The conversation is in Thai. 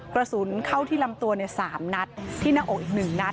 กระสุนเข้าที่ลำตัว๓นัดที่หน้าอกอีก๑นัด